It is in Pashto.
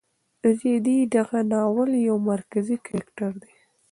رېدی د دغه ناول یو مرکزي کرکټر دی.